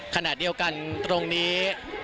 ขณะเดียวกันตรงนี้